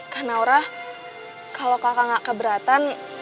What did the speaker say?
kak naura kalo kakak gak keberatan